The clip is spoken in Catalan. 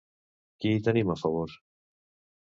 Qui hi tenim a favor?